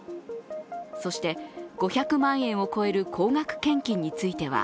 そして、５００万円を超える高額献金については